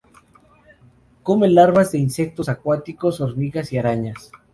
Come larvas de insectos acuáticos, hormigas y arañas.